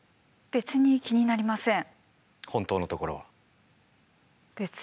別に気になりません。